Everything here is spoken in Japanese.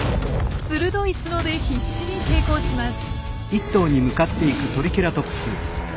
鋭い角で必死に抵抗します。